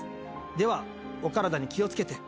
では、お体に気をつけて。